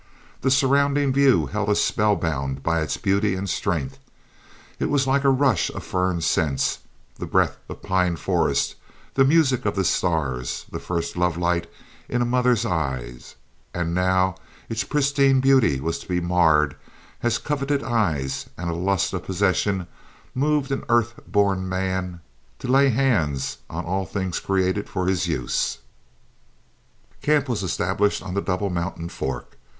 The surrounding view held us spellbound by its beauty and strength. It was like a rush of fern scents, the breath of pine forests, the music of the stars, the first lovelight in a mother's eye; and now its pristine beauty was to be marred, as covetous eyes and a lust of possession moved an earth born man to lay hands on all things created for his use. Camp was established on the Double Mountain Fork.